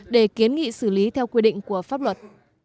để kiến nghị xử lý theo quy định của pháp luật